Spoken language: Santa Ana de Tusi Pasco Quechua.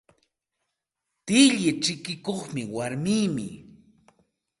Tilli chikikuq warmimi.